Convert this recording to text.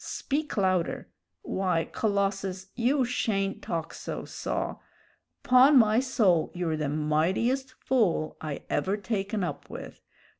Speak louder. Why, Colossus, you shayn't talk so, saw. 'Pon my soul, you're the mightiest fool I ever taken up with.